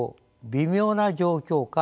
微妙な状況下